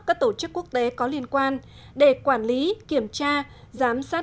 các tổ chức quốc tế có liên quan để quản lý kiểm tra giám sát